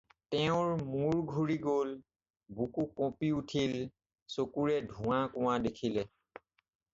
তেওঁৰ মূৰ ঘূৰি গ'ল, বুকু কঁপি উঠিল, চকুৰে ধোঁৱা-কোঁৱা দেখিলে।